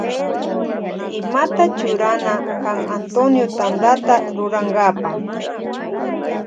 Imata churana kan Antonio Tantata rurankapa.